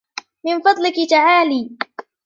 من فضلك تعالي.